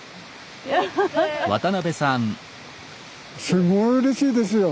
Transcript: すごいうれしいですよ。